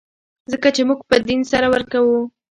ځکه چې موږ په دین سر ورکوو.